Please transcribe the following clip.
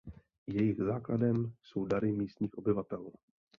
Jejich základem jsou dary místních obyvatel.